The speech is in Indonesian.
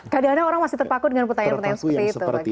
kadang kadang orang masih terpaku dengan pertanyaan pertanyaan seperti